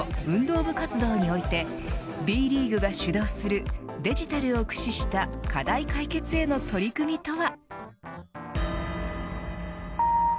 部活動においてＢリーグが主導するデジタルを駆使した課題解決への取り組みとは。